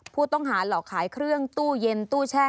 ผู้ต้องหาหลอกขายเครื่องตู้เย็นตู้แช่